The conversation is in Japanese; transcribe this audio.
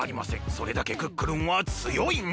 それだけクックルンはつよいんです！